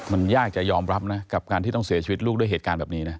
มันยากจะยอมรับนะกับการที่ต้องเสียชีวิตลูกด้วยเหตุการณ์แบบนี้นะ